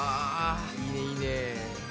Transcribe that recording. いいねいいね。